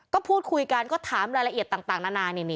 ก็พูดคุยกันก็ถามรายละเอียดต่างนานา